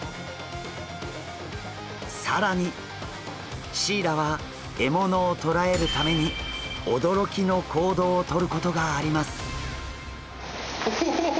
更にシイラは獲物をとらえるために驚きの行動を取ることがあります。